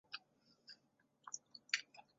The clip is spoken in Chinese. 超级英雄的时代就此揭开序幕。